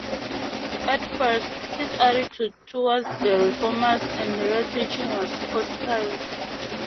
At first, his attitude towards the reformers and their teaching was hostile.